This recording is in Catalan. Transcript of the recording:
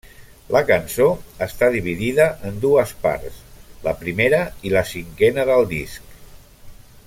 La cançó està dividida en dues parts, la primera i la cinquena del disc.